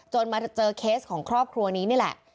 มาเจอเคสของครอบครัวนี้นี่แหละ